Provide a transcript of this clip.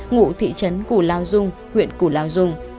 ngụ thị trấn củ lao dung huyện củ lao dung